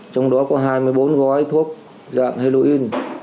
trong đó có hai mươi bốn gói thuốc dạng heroin